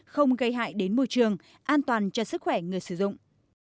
không gây hại đến môi trường an toàn cho sức khỏe người sử dụng